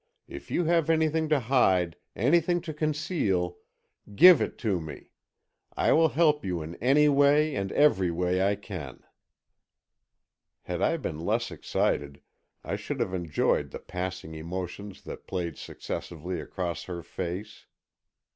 If you have anything to hide, anything to conceal, give it to me. I will help you in any way and every way I can." Had I been less excited, I should have enjoyed the passing emotions that played successively across her face.